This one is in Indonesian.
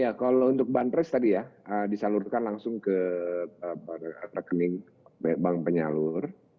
ya kalau untuk banpres tadi ya disalurkan langsung ke rekening bank penyalur